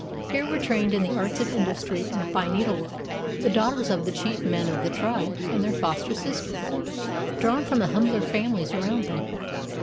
Here were trained in arts of industry and fine needlework the daughters of the chief men of the tribe and their foster sisters, drawn from the humbler families around them.